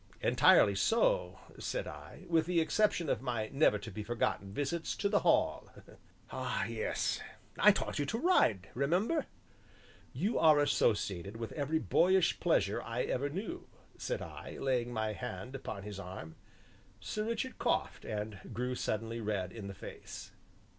"Entirely so," said I, "with the exception of my never to be forgotten visits to the Hall." "Ah, yes, I taught you to ride, remember." "You are associated with every boyish pleasure I ever knew," said I, laying my hand upon his arm. Sir Richard coughed and grew suddenly red in the face.